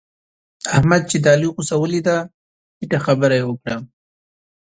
احمد چې د علي غوسه وليده؛ ټيټه خبره يې وکړه.